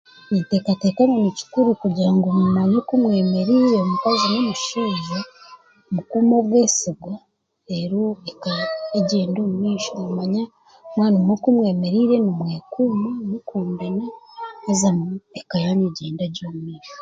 Ninteekateeka ngu nikikuru kugira ngu mumanye oku mwemereire omukazi n'omushaija mukuume obwesigwa reeru mukagyenda omu maisho n'omanya mwamanya oku mwemereire nimwekuuma mukundana haza n'eka yaanyu egyenda gye omumaisho